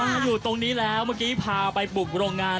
ถ้าอยู่ตรงนี้แล้วเมื่อกี้พาไปบุกโรงงาน